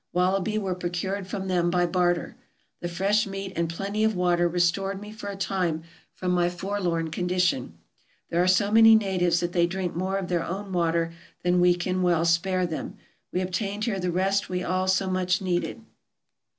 Wallaby were procured from them by barter. The fresh meat and plenty of water restored me for a time from my forlorn condition. There are so many natives that they drink more of their own water than we can well spare them. We obtained here the rest we all so much needed.